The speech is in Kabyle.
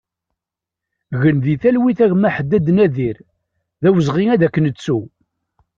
Gen di talwit a gma Ḥaddad Nadir, d awezɣi ad k-nettu!